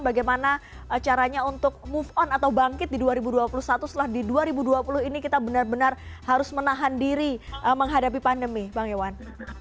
bagaimana caranya untuk move on atau bangkit di dua ribu dua puluh satu setelah di dua ribu dua puluh ini kita benar benar harus menahan diri menghadapi pandemi bang iwan